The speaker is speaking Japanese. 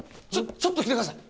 ちょっと来てください。